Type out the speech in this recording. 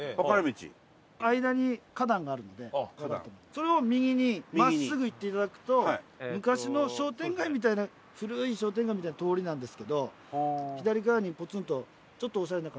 間に花壇があるのでそれを右に真っすぐ行っていただくと昔の商店街みたいな古い商店街みたいな通りなんですけど左側にポツンとちょっとオシャレな感じで。